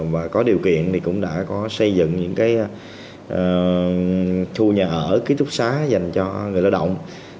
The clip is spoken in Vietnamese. và có điều kiện thì cũng đã có xây dựng những khu nhà ở ký túc xá dành cho người lao động